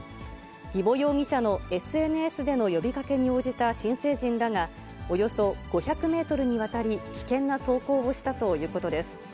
儀保容疑者のＳＮＳでの呼びかけに応じた新成人らが、およそ５００メートルにわたり、危険な走行をしたということです。